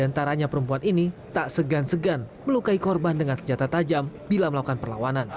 diantaranya perempuan ini tak segan segan melukai korban dengan senjata tajam bila melakukan perlawanan